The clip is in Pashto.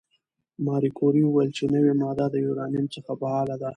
ماري کوري وویل چې نوې ماده د یورانیم څخه فعاله ده.